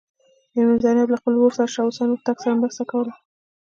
میرمن زینب له خپل ورور شاه حسین هوتک سره مرسته کوله.